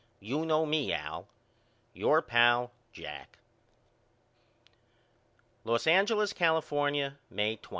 You know me, Al. Your pal, JACK. Los Angeles, California, May 20.